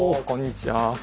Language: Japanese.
こんにちは。